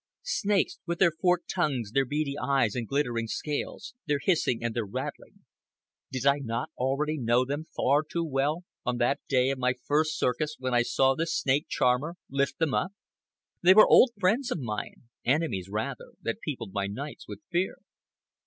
Snakes!—with their forked tongues, their beady eyes and glittering scales, their hissing and their rattling—did I not already know them far too well on that day of my first circus when I saw the snake charmer lift them up? They were old friends of mine, enemies rather, that peopled my nights with fear.